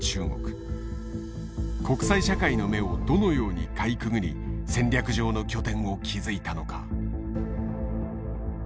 国際社会の目をどのようにかいくぐり戦略上の拠点を築いたのか？